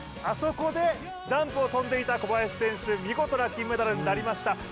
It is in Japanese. あそこでジャンプを飛んでいた小林選手、見事な金メダルとなりました。